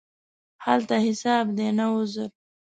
هلته حساب دی، نه عذر.